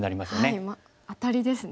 はいアタリですね。